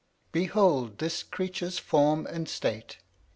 "Behold this creature's form and state!